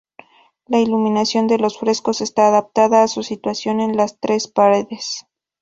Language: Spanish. La iluminación de los frescos está adaptada a su situación en las tres paredes.